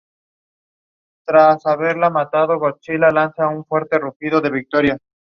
Fue la segunda hija de Ethel y Charles Smith.